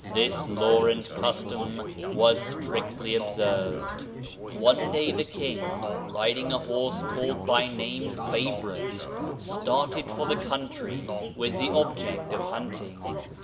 This law and custom was strictly observed. One day the King, riding a horse called by name "Favorite," started for the country, with the object of hunting.